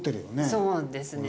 そうですね。